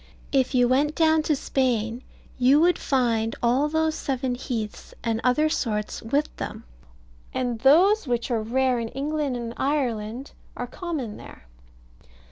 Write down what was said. If you went down to Spain, you would find all those seven heaths, and other sorts with them, and those which are rare in England and Ireland are common there.